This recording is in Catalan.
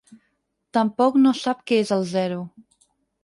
Tampoc no sap què és el zero.